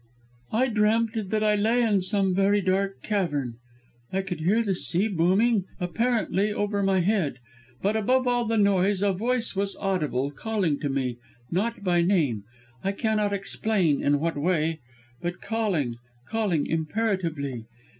"I dreamt that I lay in some very dark cavern. I could hear the sea booming, apparently over my head. But above all the noise a voice was audible, calling to me not by name; I cannot explain in what way; but calling, calling imperatively.